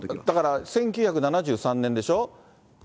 だから１９７３年でしょ。